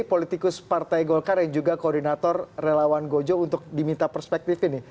politikus partai golkar yang juga koordinator relawan gojo untuk diminta perspektif ini